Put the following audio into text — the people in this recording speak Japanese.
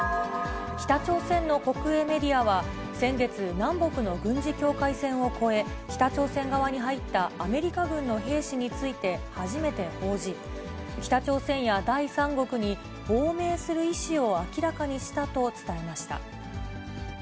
北朝鮮の国営メディアは、先月、南北の軍事境界線を越え、北朝鮮側に入ったアメリカ軍の兵士について初めて報じ、北朝鮮や第三国に亡命する意思を明らかにしたと伝えました。